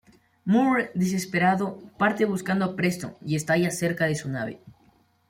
Moore, desesperado, parte buscando a Preston y estalla cerca de su nave.